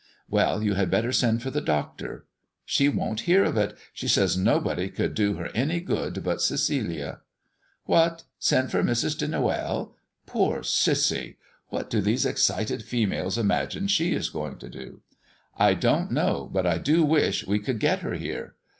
"Well, you had better send for the doctor." "She won't hear of it. She says nobody could do her any good but Cecilia." "What! 'Send for Mrs. de Noël?' Poor Cissy! What do these excited females imagine she is going to do?" "I don't know, but I do wish we could get her here."